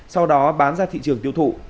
sau đó bán ra thị trường tiêu thụ